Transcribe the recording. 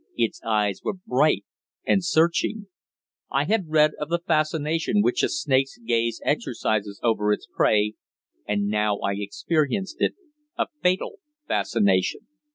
Its eyes were bright and searching. I had read of the fascination which a snake's gaze exercises over its prey, and now I experienced it a fatal fascination.